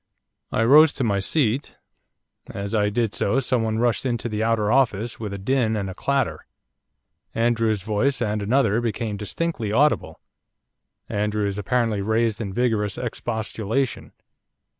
I rose from my seat. As I did so, someone rushed into the outer office with a din and a clatter. Andrews' voice, and another, became distinctly audible, Andrews' apparently raised in vigorous expostulation.